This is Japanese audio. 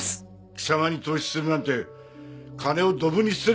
貴様に投資するなんて金をドブに捨てるようなもんだ。